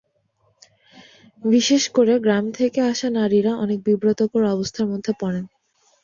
বিশেষ করে, গ্রাম থেকে আসা নারীরা অনেক বিব্রতকর অবস্থার মধ্যে পড়েন।